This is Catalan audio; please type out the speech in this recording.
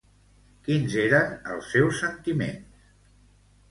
Quins eren els seus sentiments?